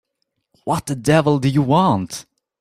What the devil do you want?